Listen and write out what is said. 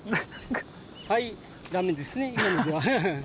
はいだめですね今のではハハッ。